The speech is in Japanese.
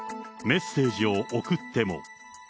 メッセージを送っても。